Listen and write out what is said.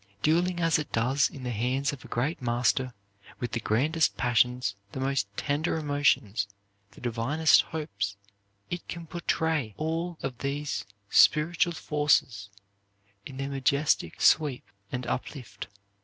Dealing as it does in the hands of a great master, with the grandest passions, the most tender emotions, the divinest hopes, it can portray all these spiritual forces in their majestic sweep and uplift.